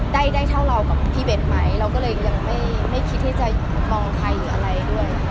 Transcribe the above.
ได้ได้เท่าเรากับพี่เบ้นไหมเราก็เลยยังไม่คิดที่จะมองใครหรืออะไรด้วย